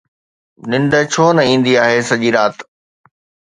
ننڊ ڇو نه ايندي آهي سڄي رات؟